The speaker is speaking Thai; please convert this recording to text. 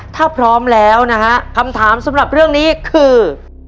ถ้าพร้อมแล้วนะฮะคำถามสำหรับเรื่องนี้คือ